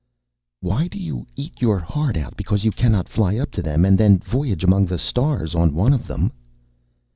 "Why do you eat your heart out because you cannot fly up to them and then voyage among the stars on one of them?"